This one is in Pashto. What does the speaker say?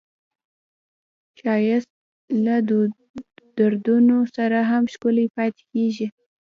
ښایست له دردونو سره هم ښکلی پاتې کېږي